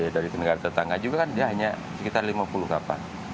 dari negara tetangga juga kan dia hanya sekitar lima puluh kapal